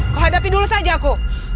kau hadapi dulu saja aku